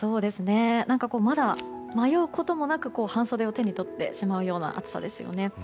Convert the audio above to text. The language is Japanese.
何か、まだ迷うこともなく半袖を手に取ってしまうような暑さですよね。